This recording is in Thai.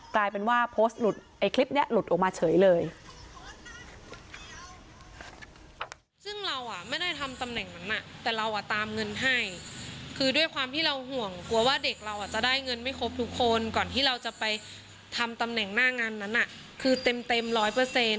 กลายเป็นว่าโพสต์หลุดไอ้คลิปนี้หลุดออกมาเฉยเลย